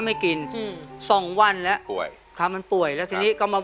พี่สมมดิกับปล่อยยังไงฮะ